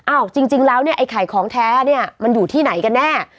จริงแล้วเนี่ยไอ้ไข่ของแท้เนี่ยมันอยู่ที่ไหนกันแน่